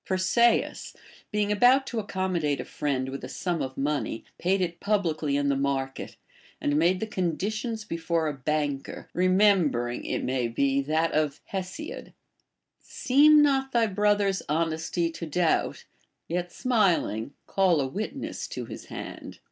Persaeus, being about to accommodate a friend with a sum of money, paid it publicly in the market, and made the conditions before a banker, remembering, it may be, that of Hesiod, — Seem not thy brother's honesty to doubt ; Yet, smiling, call a witness to liis hand.